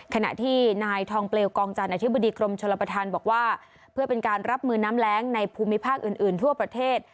ขณะที่นายทองเปลวกองจันทร์อธิบดีกรมชลประธานบอกว่าเพื่อเป็นการรับมือน้ำแรงในภูมิภาคอื่นอื่นทั่วประเทศ